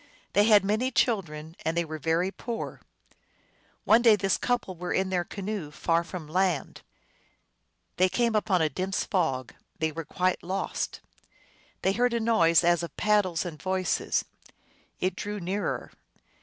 They had many children, and they were very poor. One day this couple were in their canoe, far from land. There came up a dense fog ; they were quite lost. They heard a noise as of paddles and voices. It drew nearer.